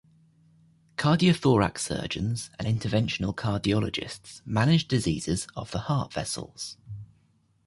Cardiothoracic surgeons and interventional cardiologists manage diseases of the heart vessels.